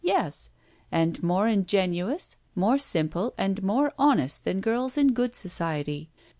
Yes! And more ingenuous, more simple, and more honest than girls in good society.